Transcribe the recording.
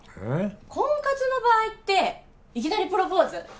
婚活の場合っていきなりプロポーズ？